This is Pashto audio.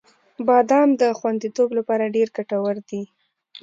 • بادام د خوندیتوب لپاره ډېر ګټور دی.